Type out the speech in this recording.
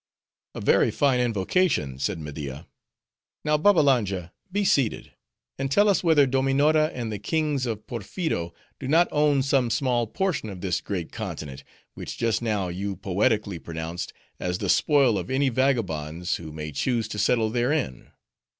"A very fine invocation," said Media, "now Babbalanja, be seated; and tell us whether Dominora and the kings of Porpheero do not own some small portion of this great continent, which just now you poetically pronounced as the spoil of any vagabonds who may choose to settle therein?